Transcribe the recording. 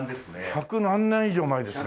百何年以上前ですね。